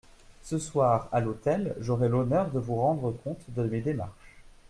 Ce soir, à l'hôtel, j'aurai l'honneur de vous rendre compte de mes démarches.